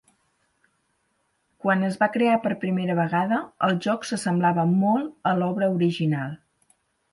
Quan es va crear per primera vegada, el joc s'assemblava molt a l'obra original.